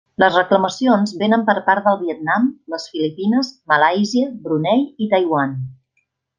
Les reclamacions vénen per part del Vietnam, les Filipines, Malàisia, Brunei i Taiwan.